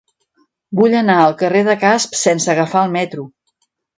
Vull anar al carrer de Casp sense agafar el metro.